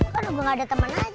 kan udah gak ada teman aja